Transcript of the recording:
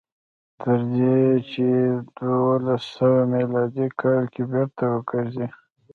تر دې چې په دولس سوه میلادي کال کې بېرته وګرځي.